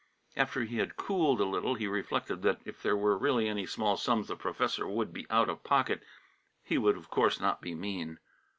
After he had cooled a little he reflected that if there were really any small sums the professor would be out of pocket, he would of course not be mean.